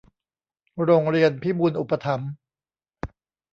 โรงเรียนพิบูลย์อุปถัมภ์